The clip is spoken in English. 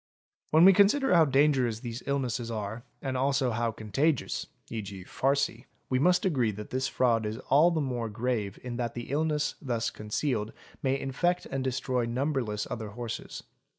| When we consider how dangerous these illnesses are and also how contagious (¢.g., farcy), we must agree that this fraud is all the more grave in that the illness thus concealed may infect and destroy number less other horses.